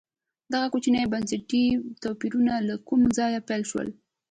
دغه کوچني بنسټي توپیرونه له کومه ځایه پیل شول.